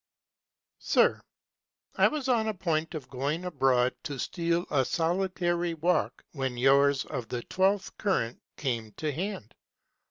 Sir, I WAS upon point of going abroad to steal a solitary walk, when yours of the I2th current came to hand.